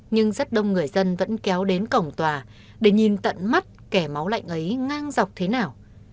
nhưng rất đông người dân vẫn kéo đến cổng tòa để nhìn tận mắt kẻ máu lạnh ấy ngang dọc thế nào